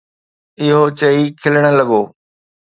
اهو چئي کلڻ لڳو.